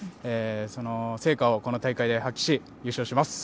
その成果をこの大会で発揮し優勝します。